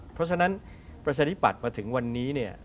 เพราะฉะนั้นประชาชนิดป่ะมาถึงวันนี้